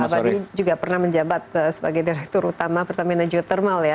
bapak ini juga pernah menjabat sebagai direktur utama pertamina geothermal ya